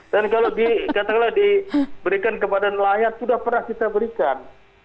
dan kalau diberikan kepada nelayan sudah pernah kita berikan